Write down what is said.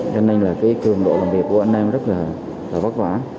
cho nên là cái cường độ làm việc của anh em rất là vất vả